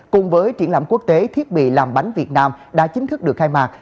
cùng với triển lãm quốc tế thiết bị làm bánh việt nam đã chính thức được khai mạc